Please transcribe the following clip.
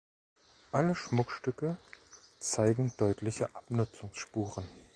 Alle Schmuckstücke zeigen deutliche Abnutzungsspuren.